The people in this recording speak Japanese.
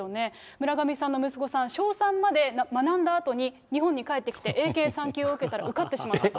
浦上さんの息子さん、小３まで学んだあとに日本に帰ってきて英検３級を受けたら、受かってしまったと。